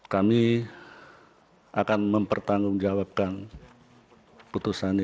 kami akan mempertanggungjawabkan putusan ini